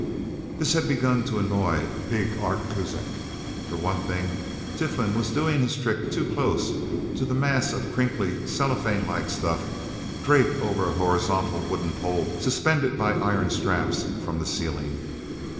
This had begun to annoy big Art Kuzak. For one thing, Tiflin was doing his trick too close to the mass of crinkly, cellophane like stuff draped over a horizontal wooden pole suspended by iron straps from the ceiling.